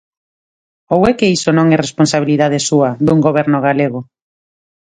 ¿Ou é que iso non é responsabilidade súa, dun goberno galego?